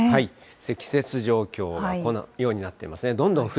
積雪状況はこのようになっていますね。